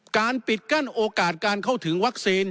ปิดกั้นโอกาสการเข้าถึงวัคซีน